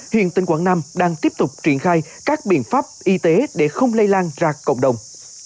hiện tỉnh quảng nam đang tiếp tục triển khai các biện pháp y tế để không lây lan ra cộng đồng